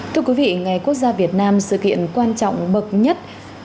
thưa quý vị ngày quốc gia việt nam sự kiện quan trọng bậc nhất